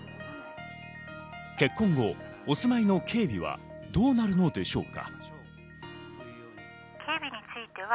結婚後、お住まいの警備はどうなるのでしょうか。